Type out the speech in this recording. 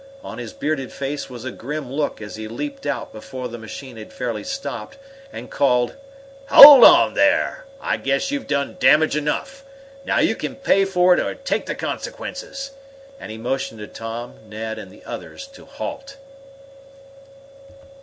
On his bearded face was a grim look as he leaped out before the machine had fairly stopped, and called: "Hold on, there! I guess you've done damage enough! Now you can pay for it or take the consequences!" And he motioned to Tom, Ned, and the others to halt.